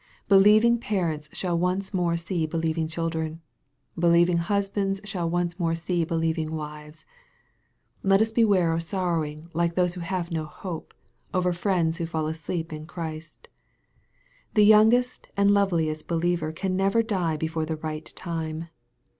Believing parents shall once more see believing children. Believing husbands shall once more see be lieving wives . Let us beware of sorrowing like those who have no hope, over friends who fall asleep in Christ. The youngest and loveliest believer can never die before the right time.